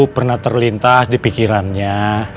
pernah terlintas di pikirannya